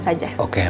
oke makasih ya